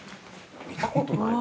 ◆見たことない。